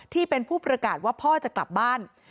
ที่เป็นผู้ประกาศว่าพ่อจะกลับบ้าน